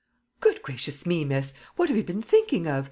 "Good gracious me, miss! what have you been thinking of?